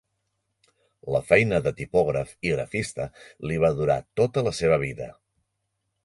La feina de tipògraf i grafista li va durar tota la seva vida.